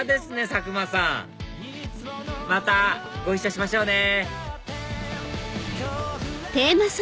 佐久間さんまたご一緒しましょうね！